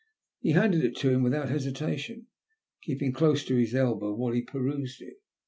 He handed it to him without hesitation, keeping close to his elbow while he perused it.